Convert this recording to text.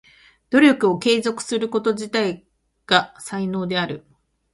努力を継続すること自体が才能である。